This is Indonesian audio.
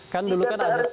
kan dulu kan ada triwis